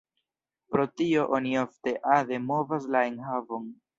Pro tio oni ofte ade movas la enhavon.